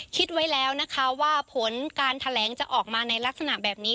คิดไว้แล้วนะคะว่าผลการแถลงจะออกมาในลักษณะแบบนี้